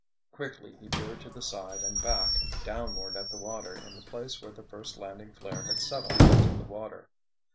Quickly he peered to the side and back, downward at the water in the place where the first landing flare had settled into the water.